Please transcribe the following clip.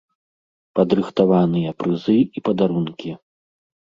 Падрыхтаваныя прызы і падарункі.